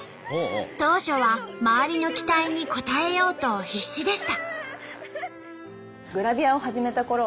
当初は周りの期待に応えようと必死でした。